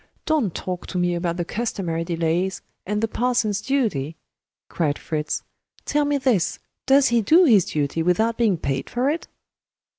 "Don't talk to me about the customary delays and the parson's duty!" cried Fritz. "Tell me this: does he do his duty without being paid for it?"